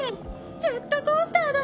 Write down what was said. ジェットコースターだ！